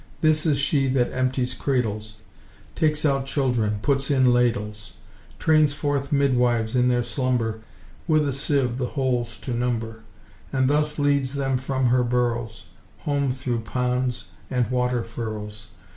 This is she that empties cradles, Takes out children, puts in ladles; Trains forth midwives in their slumber, With a sieve the holes to number; And thus leads them from her boroughs, Home through ponds and water–furrows.